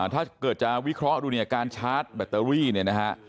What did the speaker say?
ถ้าเกิดจะวิเคราะห์ดูเนี่ยการชาร์จแบตเตอรี่เนี่ยนะฮะ